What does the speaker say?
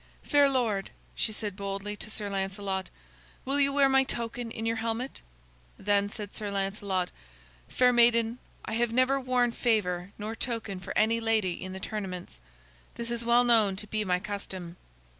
"Fair lord," she said boldly to Sir Lancelot, "will you wear my token in your helmet?" Then said Sir Lancelot: "Fair maiden, I have never worn favor nor token for any lady in the tournaments. This is well known to be my custom."